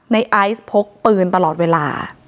ในไอซ์พกปืนตลอดเวลา